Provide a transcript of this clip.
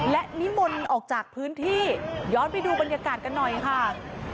และนิมนต์ออกจากพื้นที่ย้อนไปดูบรรยากาศกันหน่อยค่ะ